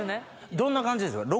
どんな感じですか？